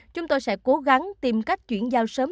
chúng tôi sẽ cố gắng tìm cách chuyển giao sớm